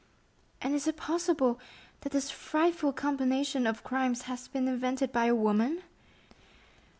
"And is it possible that this frightful combination of crimes has been invented by a woman?"